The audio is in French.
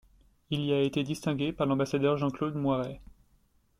Il y a été distingué par l'ambassadeur Jean-Claude Moyret.